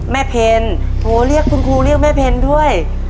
เพลโทรเรียกคุณครูเรียกแม่เพนด้วย